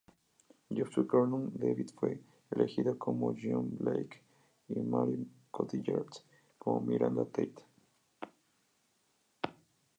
Joseph Gordon-Levitt fue elegido como John Blake, y Marion Cotillard como Miranda Tate.